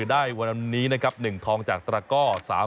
ได้๑ทองจากตราก็อล